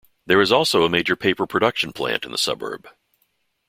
There is also a major paper production plant in the suburb.